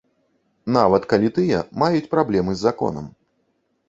Нават калі тыя маюць праблемы з законам.